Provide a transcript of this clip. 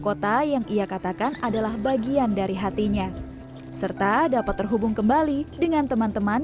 kota yang ia katakan adalah bagian dari hatinya serta dapat terhubung kembali dengan teman teman